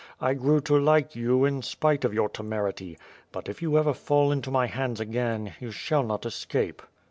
I grew to like you, in spite of your temerity, but, if you ever fall into my hands again, you shall not escape."